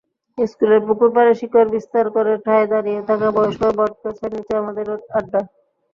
স্কুলের পুকুরপাড়ে শিকড় বিস্তার করে ঠায় দাঁড়িয়ে থাকা বয়স্ক বটগাছের নিচে আমাদের আড্ডা।